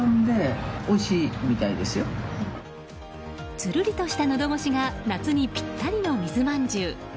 つるりとしたのど越しが夏にぴったりの水まんじゅう。